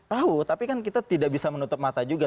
tahu tapi kan kita tidak bisa menutup mata juga